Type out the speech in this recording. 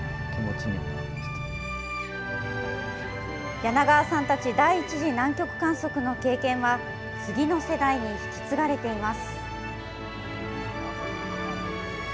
柳川さんたち第１次南極観測の経験は、次の世代に引き継がれています。